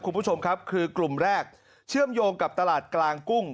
คุณผู้ชมครับคือกลุ่มแรกเชื่อมโยงกับตลาดกลางกุ้ง